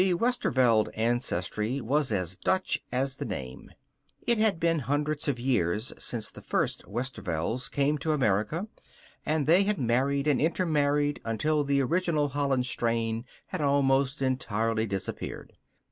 The Westerveld ancestry was as Dutch as the name. It had been hundreds of years since the first Westervelds came to America, and they had married and intermarried until the original Holland strain had almost entirely disappeared.